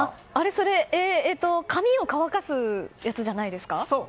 それ、髪を乾かすやつじゃないですか？